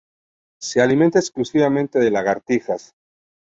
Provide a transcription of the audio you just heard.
Se alimenta exclusivamente de lagartijas.